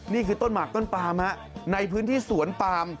นี่คือต้นหมากต้นปามในพื้นที่สวนปาม